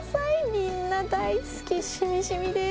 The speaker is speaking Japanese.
みんな大好き、しみしみです。